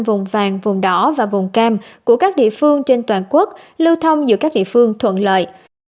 vùng vàng vùng đỏ và vùng cam của các địa phương trên toàn quốc lưu thông giữa các địa phương thuận lợi